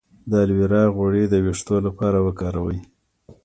د الوویرا غوړي د ویښتو لپاره وکاروئ